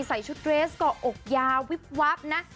ใส่ชุดเรสเกาะอกยาววิบวับนะ